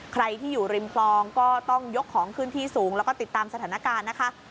ใครที่อยู่ริมคลองก็ต้องยกของขึ้นที่สูงแล้วก็ติดตามสถานการณ์นะคะ